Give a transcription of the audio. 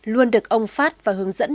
luôn được ông phát và hướng dẫn